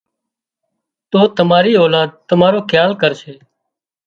تو تماري اولاد تمارو کيال ڪرشي